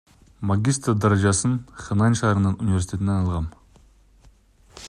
Магистр даражасын Хэнань шаарынын университетинен алгам.